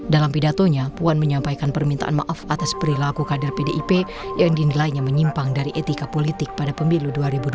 dalam pidatonya puan menyampaikan permintaan maaf atas perilaku kader pdip yang dinilainya menyimpang dari etika politik pada pemilu dua ribu dua puluh